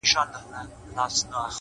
• هغه ورځ په واک کي زما زړه نه وي؛